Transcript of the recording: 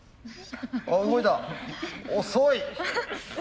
遅い！